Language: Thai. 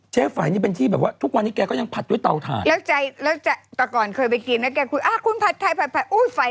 เจฝัยนี่เป็นที่แบบว่าทุกวันนี้แกก็ยังผัดด้วยเตาถ่าย